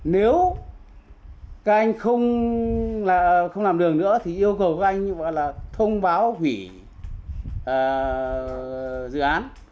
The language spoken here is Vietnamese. nếu các anh không làm đường nữa thì yêu cầu các anh như vậy là thông báo hủy dự án